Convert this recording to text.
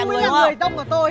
ông mới là người tông vào tôi